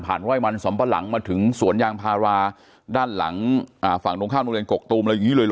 ทางบ้านผ่านว่ายวันสอมปะหลังมาถึงสวนยางพาราด้านหลังฝั่งตรงข้างโรงเรียนกกตูมอะไรอย่างนี้เลยหรอ